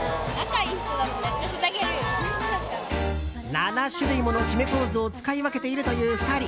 ７種類もの決めポーズを使い分けているという２人。